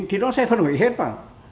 thì nó sẽ phân hủy hết mà